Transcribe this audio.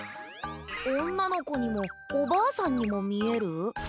おんなのこにもおばあさんにもみえる？